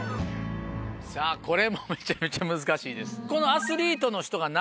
さぁこれもめちゃめちゃ難しいです。